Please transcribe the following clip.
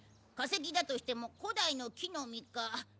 化石だとしても古代の木の実か。